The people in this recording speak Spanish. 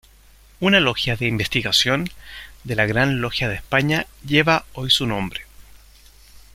Una logia de investigación de la Gran Logia de España lleva hoy su nombre.